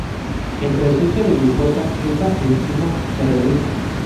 En presencia de glucosa, esta enzima se reduce.